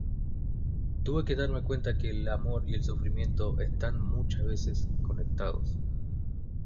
Tuve que darme cuenta que el amor y el sufrimiento están muchas veces conectados.